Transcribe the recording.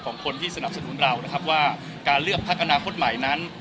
ของคนที่สนับสนุนเรานะครับว่าการเลือกพักอนาคตใหม่นั้น